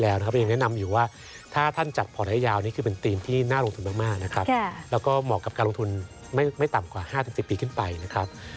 แล้วก็เหมาะกับการลงทุนไม่ต่ำกว่า๕๑๐ปีขึ้นไปนะครับ